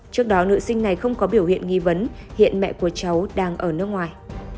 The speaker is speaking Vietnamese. trước đó nữ sinh này không có biểu hiện nghi vấn hiện mẹ của cháu đang ở nước ngoài